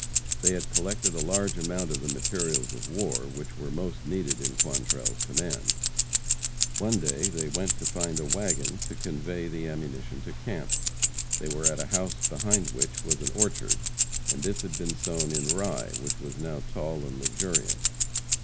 They had collected a large amount of the materials of war which were most needed in Quantrell's command. One day they went to find a wagon to convey the ammunition to camp. They were at a house behind which was an orchard, and this had been sown in rye which was now tall and luxuriant.